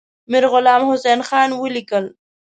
میرغلام حسین خان ولیکل.